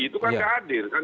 itu kan tidak adil